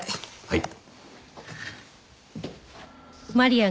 はい。